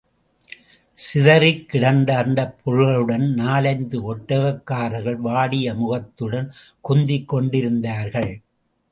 சிதறிக் கிடந்த அந்தப் பொருள்களுடன் நாலைந்து ஒட்டகக்காரர்கள் வாடிய முகத்துடன் குந்திக்கொண்டிருந்தார்கள்.